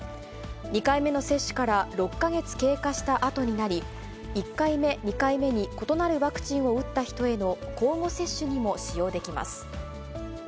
２回目の接種から６か月経過したあとになり、１回目、２回目に異なるワクチンを打った人への交互接種にも使用できます。